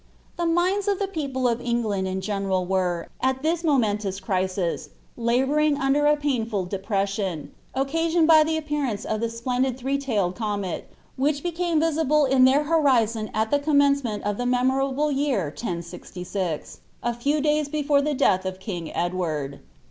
The minds of the people of Cngland in geiieral were, at this moment mis cri«i^ labouriiie uiuler a painrul depression, occasioned by the *(ipatnuic« of the splendid ihree iailed comrt, which became visible In (bcir horixon at the commencement of the memorable year lOfift, a few day* before ihc dtath of king Etiwaril.